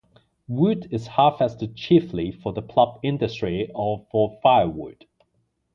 Wood is harvested chiefly for the pulp industry or for firewood.